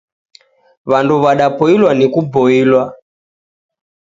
Wandu wadapoilwa ni kuboilwa.